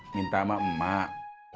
minta sama emak